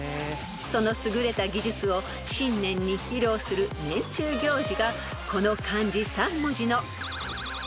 ［その優れた技術を新年に披露する年中行事がこの漢字３文字の］